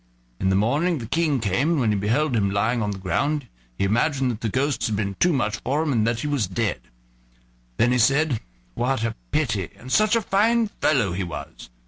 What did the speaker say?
In the morning the King came, and when he beheld him lying on the ground he imagined the ghosts had been too much for him, and that he was dead. Then he said: "What a pity! and such a fine fellow he was."